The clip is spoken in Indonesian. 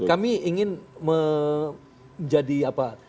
kami ingin menjadi apa